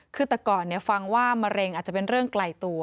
คือแต่ก่อนฟังว่ามะเร็งอาจจะเป็นเรื่องไกลตัว